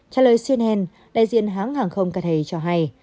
trả lời cnn đại diện hãng hàng không ca thầy cho hay